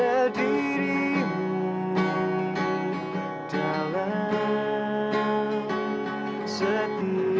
aku lagi sedih